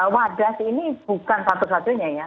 wadah sih ini bukan satu satunya ya